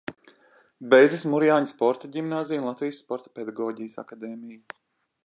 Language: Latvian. Beidzis Murjāņu sporta ģimnāziju un Latvijas Sporta pedagoģijas akadēmiju.